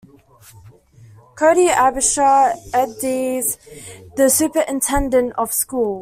Cody Abshier, Ed.D s the Superintendent of Schools.